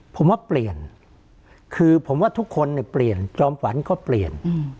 ผมว่าเปลี่ยนคือผมว่าทุกคนเนี่ยเปลี่ยนจอมฝันก็เปลี่ยน